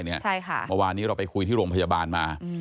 เมื่อวานนี้เราไปคุยที่โรงพยาบาลมา